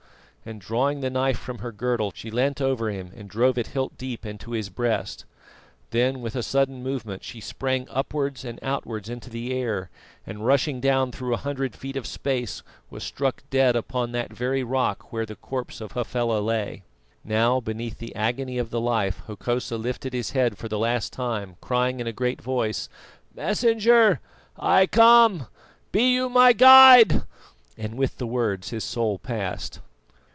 and drawing the knife from her girdle, she leant over him and drove it hilt deep into his breast. Then with a sudden movement she sprang upwards and outwards into the air, and rushing down through a hundred feet of space, was struck dead upon that very rock where the corpse of Hafela lay. Now, beneath the agony of the knife Hokosa lifted his head for the last time, crying in a great voice: "Messenger, I come, be you my guide," and with the words his soul passed.